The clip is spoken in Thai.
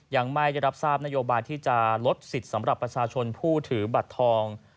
ยังไม่ได้รับทราบนโยบายที่จะลดสิทธิ์สำหรับประชาชนผู้ถือบัตรทอง